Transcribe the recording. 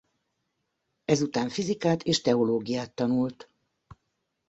Ezután fizikát és teológiát tanult.